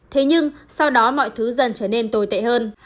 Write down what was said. thế nhưng sau đó mọi thứ dần trở nên tồi tệ hơn